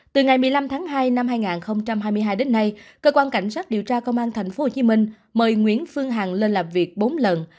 từ ngày một mươi năm tháng hai năm hai nghìn hai mươi hai đến nay cơ quan cảnh sát điều tra công an tp hcm mời nguyễn phương hằng lên làm việc bốn lần